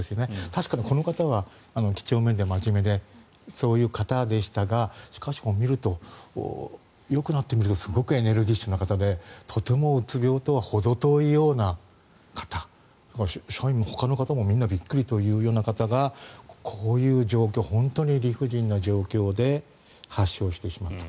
確かにこの方は几帳面で真面目でそういう方でしたがしかし、よくなって見るとすごくエネルギッシュな方でとてもうつ病とはほど遠いような方社員のほかの方もみんなびっくりというような方がこういう本当に理不尽な状況で発症してしまった。